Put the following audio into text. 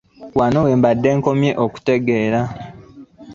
Wano we mbadde nkomye okutegeera.